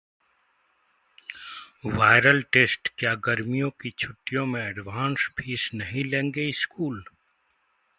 Viral test: क्या गर्मियों की छुट्टियों में एडवांस फीस नहीं लेंगे स्कूल?